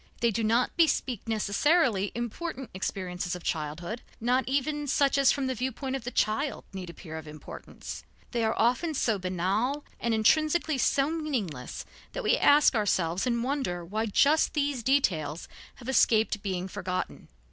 They do not bespeak necessarily important experiences of childhood, not even such as from the viewpoint of the child need appear of importance. They are often so banal and intrinsically so meaningless that we ask ourselves in wonder why just these details have escaped being forgotten.